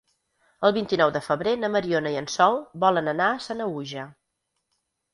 El vint-i-nou de febrer na Mariona i en Sol volen anar a Sanaüja.